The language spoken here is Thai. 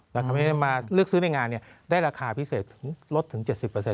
แล้วทำให้มาเลือกซื้อในงานได้ราคาพิเศษลดถึง๗๐